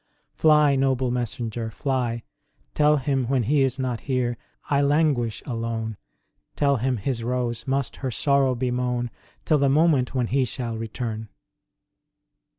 Fly, noble messenger, fly ! Tell Him when He is not here I languish alone. Tell Him His Rose must her sorrow bemoan Till the moment when He shall return.